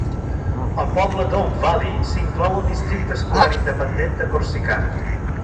El poble d'Oak Valley s'inclou al districte escolar independent de Corsicana.